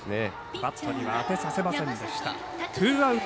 バットには当てさせませんでした。